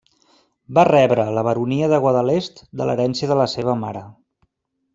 Va rebre la baronia de Guadalest de l'herència de la seva mare.